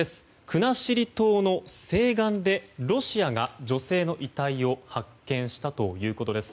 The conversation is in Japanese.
国後島の西岸でロシアが女性の遺体を発見したということです。